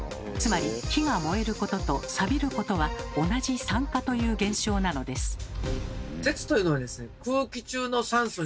つまり火が燃えることとサビることは同じ「酸化」という現象なのです。